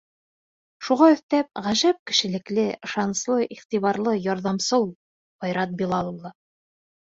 Шуға өҫтәп, ғәжәп кешелекле, ышаныслы, иғтибарлы, ярҙамсыл ул Айрат Билал улы.